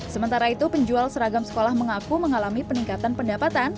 sementara itu penjual seragam sekolah mengaku mengalami peningkatan pendapatan